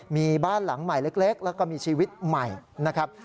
มีบ้านหลังใหม่เล็กแล้วก็มีชีวิตใหม่นะครับ